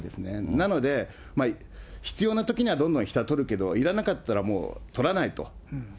なので、必要なときにはどんどん人は採るけど、いらなかったらもう採らないと。